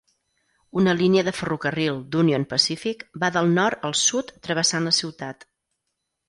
Una línia de ferrocarril d'Union Pacific va del nord al sud travessant la ciutat.